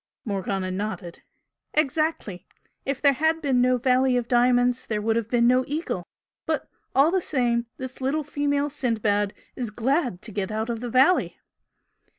Morgana nodded. "Exactly! If there had been no Valley of Diamonds there would have been no Eagle! But, all the same, this little female Sindbad is glad to get out of the valley!"